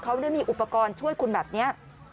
เขาได้มีอุปกรณ์ช่วยคุณแบบนี้